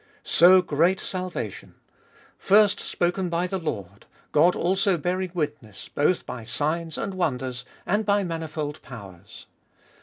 So great salvation ! First spoken by the Lord, God also bear ing witness both by signs and wonders, and by manifold powers.